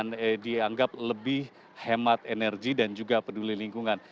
ini juga memperkenalkan keuntungan yang lebih penting untuk menghemat energi dan juga peduli lingkungan